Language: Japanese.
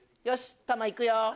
よしタマいくよ。